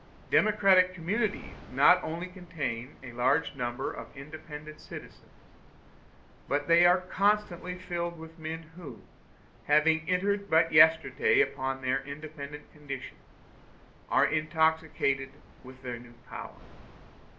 Democratic communities not only contain a large number of independent citizens, but they are constantly filled with men who, having entered but yesterday upon their independent condition, are intoxicated with their new power.